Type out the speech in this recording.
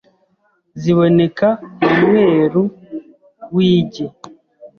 ziboneka mu mweru w’igi